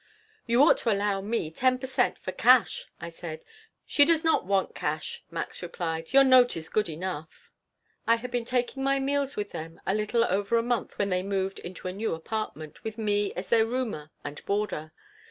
"You ought to allow me ten per cent. for cash," I said. "She does not want cash," Max replied. "Your note is good enough." I had been taking my meals with them a little over a month when they moved into a new apartment, with me as their roomer and boarder.